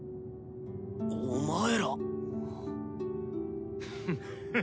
お前ら。